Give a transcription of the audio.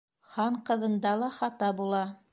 Хан ҡыҙында ла хата була.